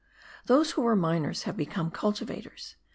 Those who were miners have become cultivators.